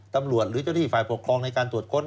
หรือเจ้าที่ฝ่ายปกครองในการตรวจค้น